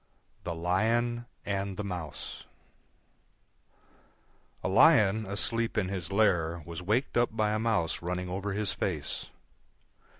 THE LION AND THE MOUSE A Lion asleep in his lair was waked up by a Mouse running over his face.